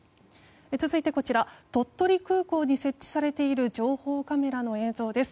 続いて鳥取空港に設置されている情報カメラの映像です。